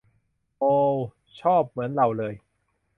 โอว ชอบเหมือนเราเลย